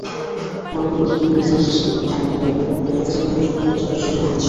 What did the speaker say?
মার্কিন প্রযুক্তি প্রতিষ্ঠান সিসকোর তথ্য অনুযায়ী, রোমানিয়াতে গেম সংক্রান্ত চাকরির সুযোগ কমছে।